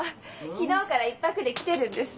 昨日から１泊で来てるんです。